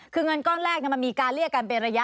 คือเงินก้อนแรกมันมีการเรียกกันเป็นระยะ